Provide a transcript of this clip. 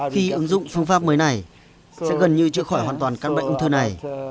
khi ứng dụng phương pháp mới này sẽ gần như chữa khỏi hoàn toàn căn bệnh ung thư này